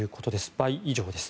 倍以上です。